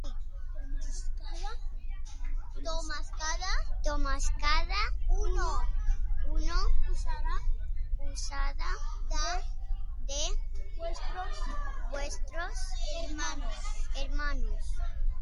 ¿Tomáiscada uno usura de vuestros hermanos?